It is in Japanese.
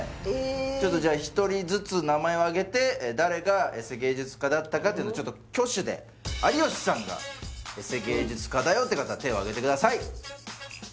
ちょっとじゃあ１人ずつ名前をあげて誰がエセ芸術家だったかっていうのちょっと挙手で有吉さんがエセ芸術家だよっていう方手をあげてください